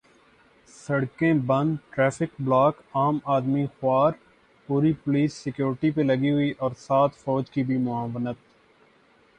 سڑکیں بند، traffic block, عام آدمی خوار، پوری پولیس سکیورٹی پہ لگی ہوئی اور ساتھ فوج کی بھی معاونت۔